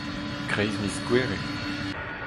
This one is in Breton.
E-kreiz miz Gouere.